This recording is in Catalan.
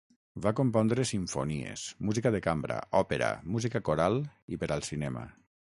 Va compondre simfonies, música de cambra, òpera, música coral i per al cinema.